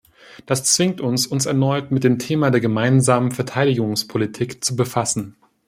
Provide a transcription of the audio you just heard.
Das zwingt uns, uns erneut mit dem Thema der gemeinsamen Verteidigungspolitik zu befassen.